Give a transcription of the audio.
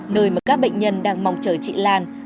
nơi mà các bệnh nhân đang mong chờ chị lan